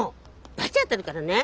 罰当たるからね。